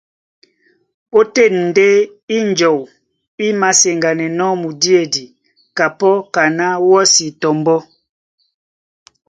Ótên ndé ínjɔu í māseŋganɛnɔ́ mudíedi kapɔ́ kaná wɔ́si tɔ mbɔ́.